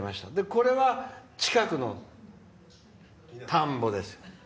これが近くの田んぼですよね。